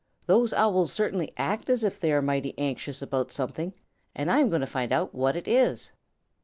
Those Owls certainly act as if they are mighty anxious about something, and I'm going to find out what it is."